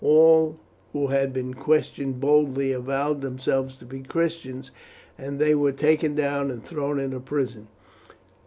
All who had been questioned boldly avowed themselves to be Christians, and they were taken down and thrown into prison.